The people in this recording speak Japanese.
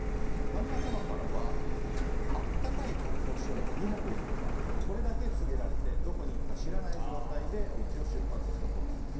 旦那様からは暖かい格好してね２泊行くからとこれだけ告げられてどこに行くか知らない状態でお家を出発したそうです。